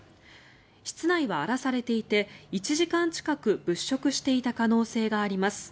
室内は荒らされていて１時間近く物色していた可能性があります。